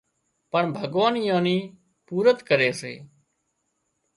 پڻ ڀڳوان ايئان نِي پُورت ڪري سي